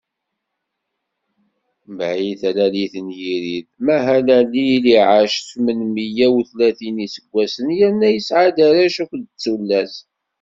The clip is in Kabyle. Mbeɛd talalit n Yirid, Mahalalil iɛac tmen meyya utlatin n iseggwasen, yerna yesɛa-d arrac akked tullas.